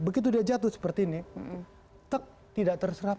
begitu dia jatuh seperti ini truk tidak terserap